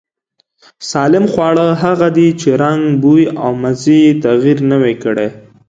سالم خواړه هغه دي چې رنگ، بوی او مزې يې تغير نه وي کړی.